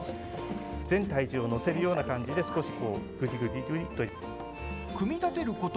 全体重を乗せるような感じで少し、ぐじぐじぐじっと。